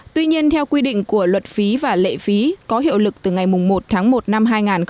tuy nhiên theo quy định của luật phí và lệ phí có hiệu lực từ ngày một tháng một năm hai nghìn hai mươi